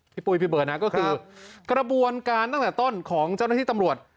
ปุ้ยพี่เบิร์ดนะก็คือกระบวนการตั้งแต่ต้นของเจ้าหน้าที่ตำรวจ